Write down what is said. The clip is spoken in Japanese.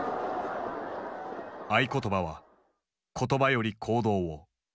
合言葉は「言葉より行動を」。